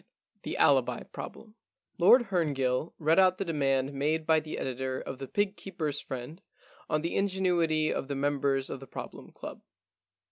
IX THE ALIBI PROBLEM Lord Herngill read out the demand made by the editor of The Fig Keepers' Friend on the ingenuity of the members of the Problem Club.